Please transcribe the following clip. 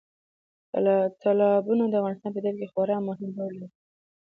تالابونه د افغانستان په طبیعت کې خورا مهم رول لري.